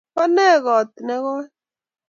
bonee kote nekoii